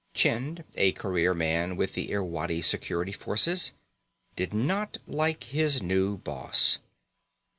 Chind, a career man with the Irwadi Security Forces, did not like his new boss.